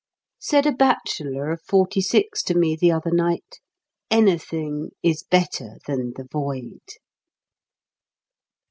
Said a bachelor of forty six to me the other night: "Anything is better than the void."